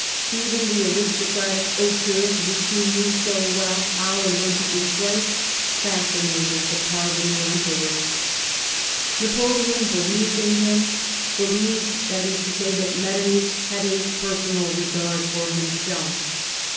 Even the aristocratic hauteur, which he knew so well how and when to display, fascinated the imrvenu Emperor. Napoleon believed in him : believed, that is to say, that Metternich had a personal regard for himself.